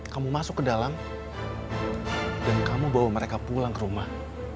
kamu masuk ke dalam dan kamu bawa mereka pulang ke rumah